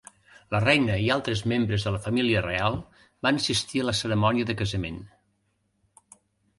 La reina i altres membres de la família reial van assistir a la cerimònia de casament.